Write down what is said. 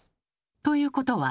ということは。